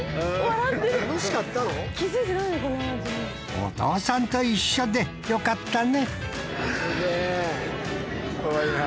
お父さんと一緒でよかったね